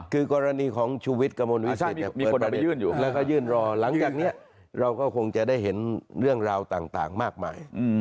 คือกรณีของชูวิทย์กระมวลวิสิตมีคนแล้วก็ยื่นรอหลังจากนี้เราก็คงจะได้เห็นเรื่องราวต่างมากมาย